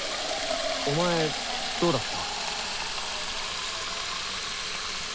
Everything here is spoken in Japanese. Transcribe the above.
お前どうだった？